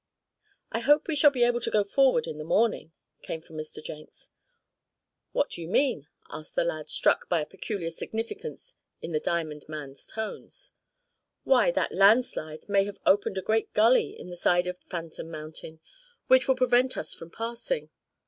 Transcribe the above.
"I hope we shall be able to go forward in the morning," came from Mr. Jenks. "What do you mean?" asked the lad, struck by a peculiar significance in the diamond man's tones. "Why, that landslide may have opened a great gully in the side of Phantom Mountain, which will prevent us from passing.